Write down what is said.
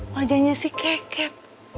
wajahnya si keket